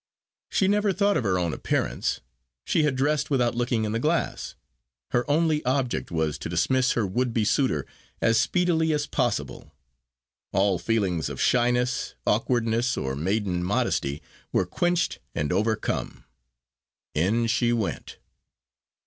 She never thought of her own appearance she had dressed without looking in the glass. Her only object was to dismiss her would be suitor as speedily as possible. All feelings of shyness, awkwardness, or maiden modesty, were quenched and overcome. In she went.